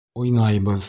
Уйнайбыҙ!